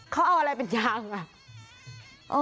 เขาเอาอะไรเป็นยางอ่ะ